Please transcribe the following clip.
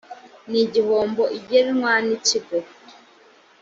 n igihombo igenwa n ikigo